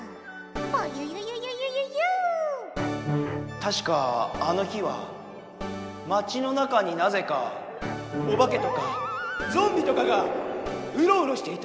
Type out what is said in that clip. たしかあの日は町の中になぜかおばけとかゾンビとかがうろうろしていた。